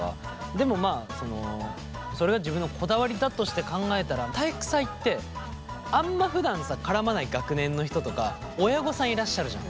でもまあそのそれが自分のこだわりだとして考えたら体育祭ってあんまふだんさ絡まない学年の人とか親御さんいらっしゃるじゃん。